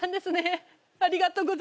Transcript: ありがとうございます。